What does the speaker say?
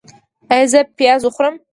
ایا زه پیزا وخورم؟